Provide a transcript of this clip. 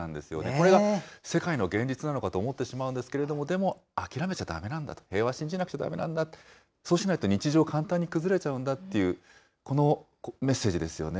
これが世界の現実なのかと思ってしまうんですけれども、でも、諦めちゃだめなんだと、平和信じなくちゃだめなんだと、そうしないと日常は簡単に崩れちゃうんだって、このメッセージですよね。